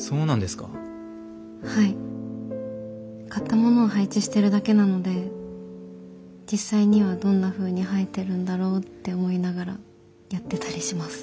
買ったものを配置してるだけなので実際にはどんなふうに生えてるんだろうって思いながらやってたりします。